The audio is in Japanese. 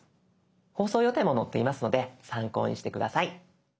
放送予定も載っていますので参考にして下さい。